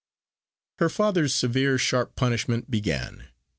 Her father's severe sharp punishment began.